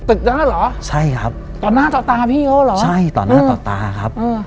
ตึกนั้นหรอต่อหน้าต่อตาพี่หรอใช่ครับต่อหน้าต่อตาครับ